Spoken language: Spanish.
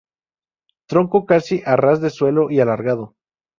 Tronco casi a ras de suelo y alargado.